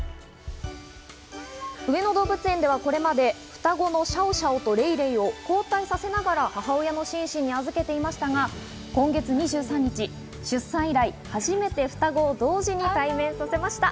上野動物園ではこれまで双子のシャオシャオとレイレイを交代させながら母親のシンシンに預けていましたが、今月２３日の出産以来、初めて双子を同時に対面させました。